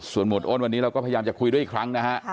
ส่วนหวดอ้นวันนี้เราก็พยายามจะคุยด้วยอีกครั้งนะฮะ